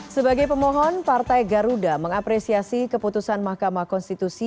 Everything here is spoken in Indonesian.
sebagai pemohon partai garuda mengapresiasi keputusan mahkamah konstitusi